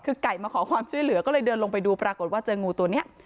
คือไก่มาขอความช่วยเหลือก็เลยเดินลงไปดูปรากฏว่าเจองูตัวนี้